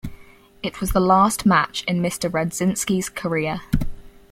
It was the last match in Mr Redzinski's career.